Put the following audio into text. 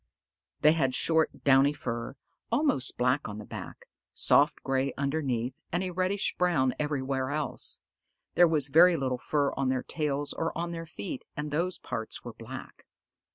They had short, downy fur, almost black on the back, soft gray underneath, and a reddish brown everywhere else. There was very little fur on their tails or on their feet, and those parts were black.